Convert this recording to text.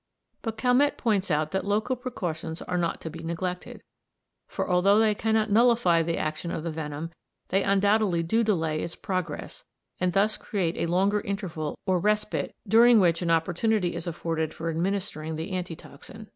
But Calmette points out that local precautions are not to be neglected, for although they cannot nullify the action of the venom, they undoubtedly do delay its progress, and thus create a longer interval or respite, during which an opportunity is afforded for administering the anti toxin.